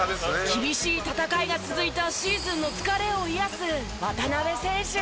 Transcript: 厳しい戦いが続いたシーズンの疲れを癒やす渡邊選手。